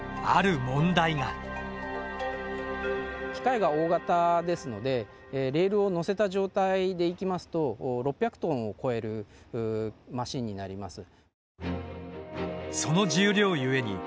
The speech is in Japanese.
機械が大型ですのでレールを載せた状態で行きますと６００ｔを超えるマシンになります。